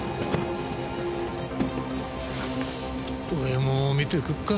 上も見てくるか。